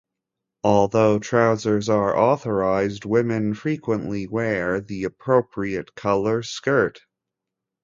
Although trousers are authorized, women frequently wear the appropriate color skirt.